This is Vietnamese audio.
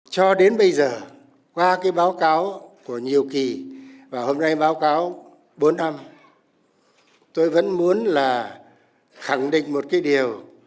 cho đến bây giờ qua cái báo cáo của nhiều kỳ và hôm nay báo cáo bốn năm tôi vẫn muốn là khẳng định một cái điều